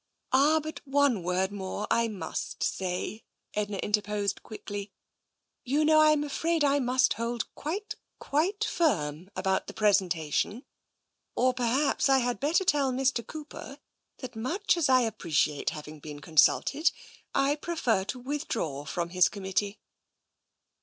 " Ah, but one word more I must say," Edna inter posed quickly. " You know, I'm afraid I must hold quite, quite firm about the presentation. Or perhaps I had better tell Mr. Cooper that, much as I appreciate having been consulted, I prefer to withdraw from his committee."